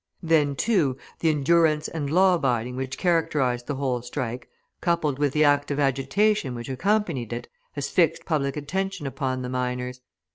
Then, too, the endurance and law abiding which characterised the whole strike, coupled with the active agitation which accompanied it, has fixed public attention upon the miners.